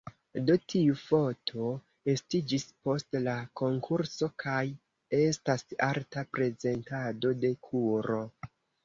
Do, tiu foto estiĝis post la konkurso kaj estas arta prezentado de kuro.